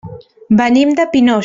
Venim de Pinós.